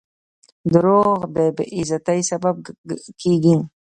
• دروغ د بې عزتۍ سبب کیږي.